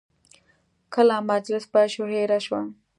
کله مجلس پیل شو، هیره شوه.